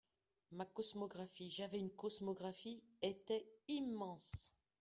Ma cosmographie, j'avais une cosmographie, était immense.